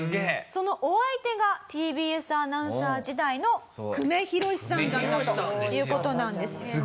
そのお相手がＴＢＳアナウンサー時代の久米宏さんだったという事なんです。